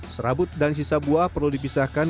serabut dan sisa buah perlu dipisahkan